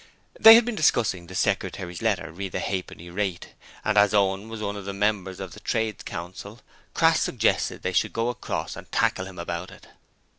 They had been discussing the Secretary's letter re the halfpenny rate, and as Owen was one of the members of the Trades Council, Crass suggested that they should go across and tackle him about it.